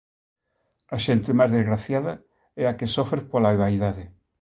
A xente máis desgraciada é a que sofre pola vaidade.